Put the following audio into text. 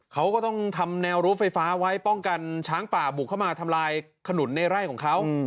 เขาก็ต้องทำแนวรั้วไฟฟ้าไว้ป้องกันช้างป่าบุกเข้ามาทำลายขนุนในไร่ของเขา